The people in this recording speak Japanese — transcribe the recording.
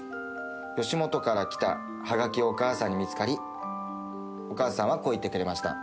吉本から来たはがきをお母さんに見つかり、お母さんはこう言ってくれました。